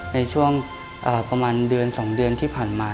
ในช่วงประมาณเดือน๒เดือนที่ผ่านมา